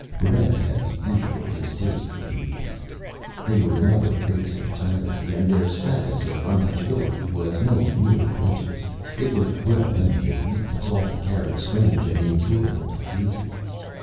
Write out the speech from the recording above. Barrent had the usual distaste for mutants. They were another race entirely, and their status of untouchability was no mere prejudice. It was well known that mutants often carried strange and incurable diseases.